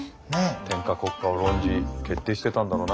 天下国家を論じ決定してたんだろうな